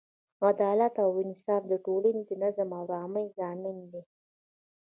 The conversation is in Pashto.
عدالت او انصاف د ټولنې د نظم او ارامۍ ضامن دی.